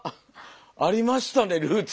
ありましたねルーツ。